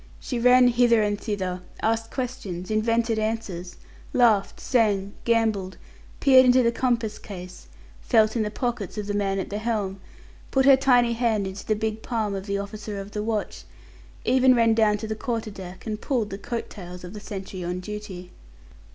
She ran hither and thither, asked questions, invented answers, laughed, sang, gambolled, peered into the compass case, felt in the pockets of the man at the helm, put her tiny hand into the big palm of the officer of the watch, even ran down to the quarter deck and pulled the coat tails of the sentry on duty.